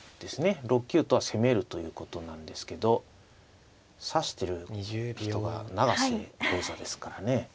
６九とは攻めるということなんですけど指してる人が永瀬王座ですからね。